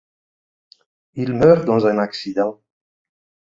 Il meurt dans un accident.